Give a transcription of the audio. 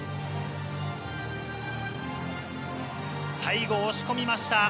最後、押し込みました。